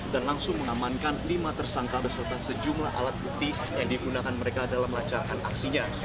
dan langsung mengamankan lima tersangka beserta sejumlah alat bukti yang digunakan mereka dalam lancarkan aksinya